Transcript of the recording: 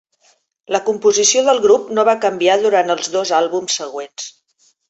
La composició del grup no va canviar durant els dos àlbums següents.